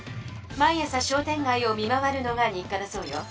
毎朝商店がいを見回るのが日かだそうよ。